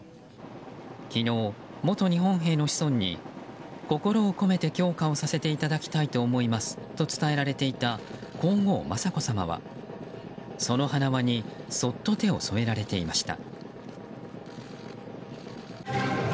昨日、元日本兵の子孫に心を込めて供花をさせていただきたいと思いますと伝えられていた皇后・雅子さまはその花輪にそっと手を添えられていました。